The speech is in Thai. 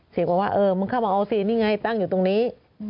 บอกว่าเออมึงเข้ามาเอาสินี่ไงตั้งอยู่ตรงนี้